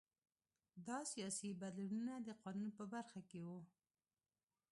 دا سیاسي بدلونونه د قانون په برخه کې وو